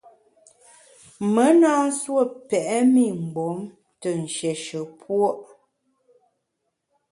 Me na nsuo pèt mi mgbom te nshéshe puo’.